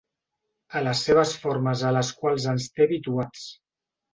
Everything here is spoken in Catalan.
A les seves formes a les quals ens té habituats.